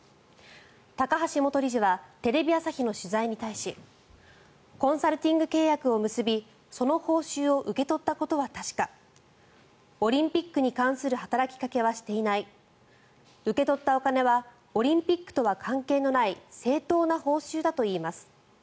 高橋元理事はテレビ朝日の取材に対しコンサルティング契約を結びその報酬を受け取ったことは確かオリンピックに関する働きかけはしていない受け取ったお金はオリンピックとは関係のない正当な報酬だといいます。